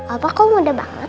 opa kok muda banget